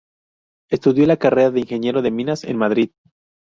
Estudió la carrera de Ingeniero de Minas en Madrid.